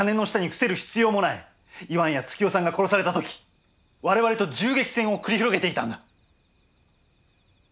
いわんや月代さんが殺された時我々と銃撃戦を繰り広げていたんだ！